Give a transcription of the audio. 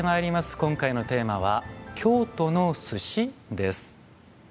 今回のテーマは「京都の寿司」です。